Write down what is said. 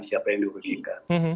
siapa yang dirugikan